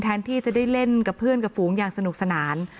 แทนที่จะได้เล่นกับเพื่อนกับฝูงอย่างสนุกสนาน